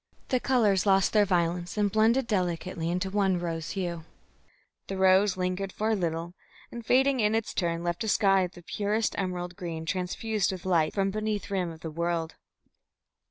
The colours lost their violence and blended delicately into one rose hue, the rose lingered for a little, and, fading in its turn, left a sky of the purest emerald green transfused with light from beneath rim of the world.